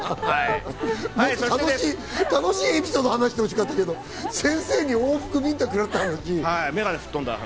楽しいエピソード話してほしかったけど、先生に往復ビンタくらった話。